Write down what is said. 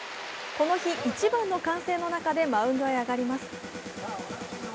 この日、一番の歓声の中でマウンドに上がります。